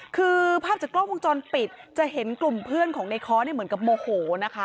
คือภาพจากกล้องวงจรปิดจะเห็นกลุ่มเพื่อนของในค้อเนี่ยเหมือนกับโมโหนะคะ